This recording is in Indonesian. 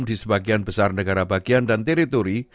di sebagian besar negara bagian dan teritori